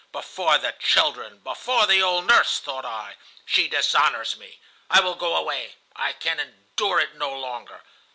'Before the children, before the old nurse,' thought I, 'she dishonors me. I will go away. I can endure it no longer.